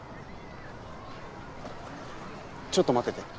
ちょっと待ってて。